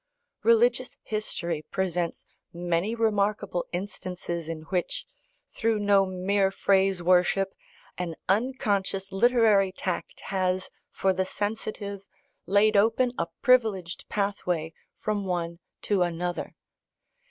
Religious history presents many remarkable instances in which, through no mere phrase worship, an unconscious literary tact has, for the sensitive, laid open a privileged pathway from one to another.